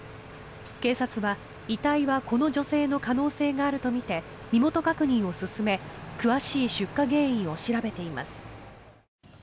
警察は、遺体はこの女性の可能性があるとみて身元確認を進め詳しい出火原因を調べています。